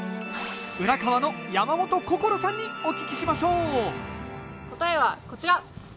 浦河の山本こころさんにお聞きしましょう答えはこちら！